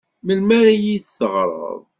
Melmi ara iyi-d-teɣreḍ?